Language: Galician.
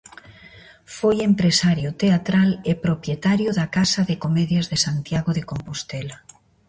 Foi empresario teatral e propietario da Casa de Comedias de Santiago de Compostela.